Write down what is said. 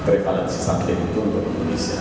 prevalensi sakit itu untuk indonesia